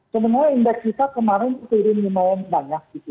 sebenarnya indeks kita kemarin turun lumayan banyak